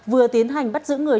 vừa tiến hành bắt giữ người